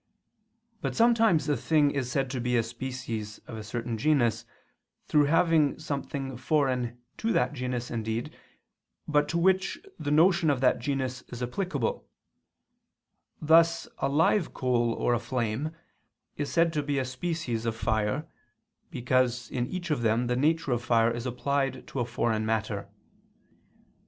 But sometimes a thing is said to be a species of a certain genus, through having something foreign to that genus indeed, but to which the notion of that genus is applicable: thus a live coal or a flame is said to be a species of fire, because in each of them the nature of fire is applied to a foreign matter.